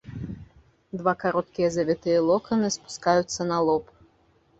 Два кароткія завітыя локаны спускаюцца на лоб.